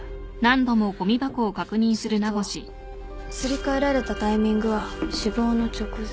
するとすり替えられたタイミングは死亡の直前。